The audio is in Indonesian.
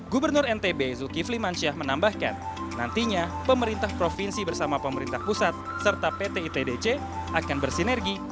gubernur ntb zulkifli mansyah menambahkan nantinya pemerintah provinsi bersama pemerintah pusat serta pt itdc akan bersinergi